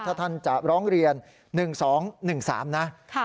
ถ้าท่านจะร้องเรียน๑๒๑๓นะ